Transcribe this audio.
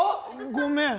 ごめん。